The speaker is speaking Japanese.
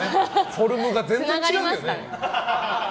フォルムが全然違うけどね。